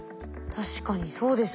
確かにそうですね。